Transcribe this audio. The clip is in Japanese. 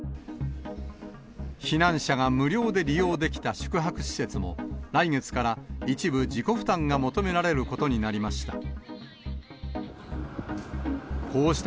避難者が無料で利用できた宿泊施設も、来月から、一部自己負担が求められることになりました。